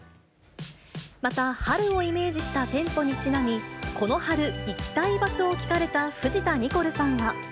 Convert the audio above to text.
また、春をイメージした店舗にちなみ、この春、行きたい場所を聞かれた藤田ニコルさんは。